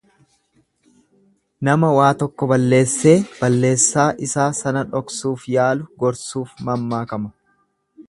Nama waa tokko ballessee balleessaa isaa sana dhoksuuf yaalu gorsuuf mammaakama.